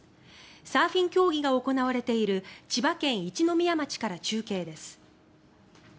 サーフィン競技が行われている千葉県一宮町から中継です。